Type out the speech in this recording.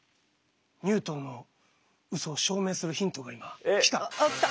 ニュートンのうそを証明するヒントが今来た。来た？